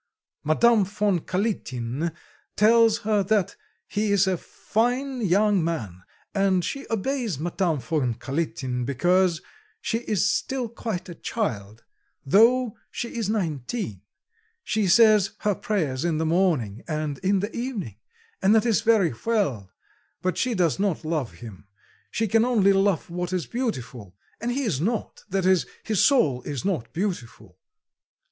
Madame von Kalitin tells her that he is a fine young man, and she obeys Madame von Kalitin because she is still quite a child, though she is nineteen; she says her prayers in the morning and in the evening and that is very well; but she does not love him. She can only love what is beautiful, and he is not, that is, his soul is not beautiful."